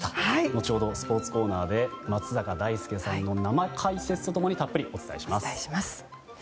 後ほど、スポーツコーナーで松坂大輔さんの生解説と共にたっぷりお伝えします。